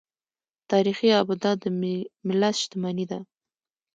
تاریخي ابدات د ملت شتمني ده.